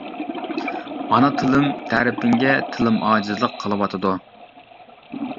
ئانا تىلىم، تەرىپىڭگە تىلىم ئاجىزلىق قىلىۋاتىدۇ.